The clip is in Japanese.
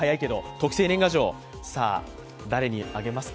特製年賀状、さあ、誰にあげますか？